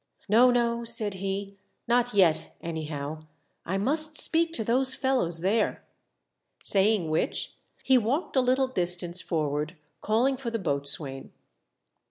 *' No. no," said he, "not yet, anyhow. I must speak to those fellows there." Saying which he walked a little distance forward, calling for the boatswain.